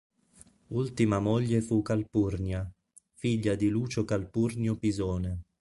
Ultima moglie fu Calpurnia, figlia di Lucio Calpurnio Pisone.